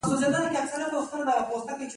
د تورې غرونو افسانه د زړه ورتیا الهام ورکوي.